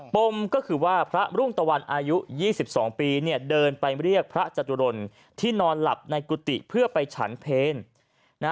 ปมก็คือว่าพระรุ่งตะวันอายุ๒๒ปีเดินไปเรียกพระจตุรนที่นอนหลับในกุฏิเพื่อไปฉันเพล